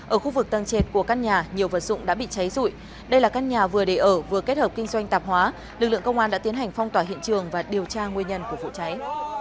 ở khu vực tầng trệt của căn nhà nhiều vật dụng đã bị cháy rụi đây là căn nhà vừa để ở vừa kết hợp kinh doanh tạp hóa lực lượng công an đã tiến hành phong tỏa hiện trường và điều tra nguyên nhân của vụ cháy